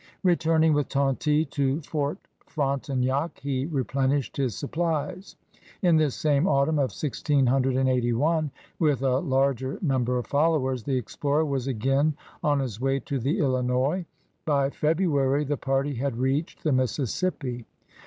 Returning with Tonty to Fort Frontenac, he replenished his supplies. In this same autunm of 1681, with a larger number of followers, the explorer was again on his way to the Illinois. By February the party had reached the Mississippi.